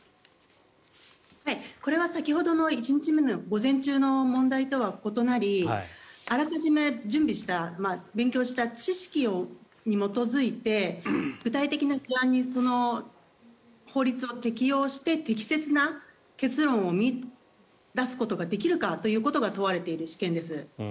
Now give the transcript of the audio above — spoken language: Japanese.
これは先ほどの１日目の午前中の問題とは異なりあらかじめ準備した勉強した知識に基づいて具体的な事案に法律を適用して適切な結論を見いだすことができるかということが問われている試験です。